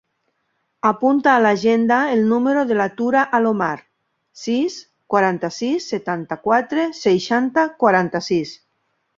Apunta a l'agenda el número de la Tura Alomar: sis, quaranta-sis, setanta-quatre, seixanta, quaranta-sis.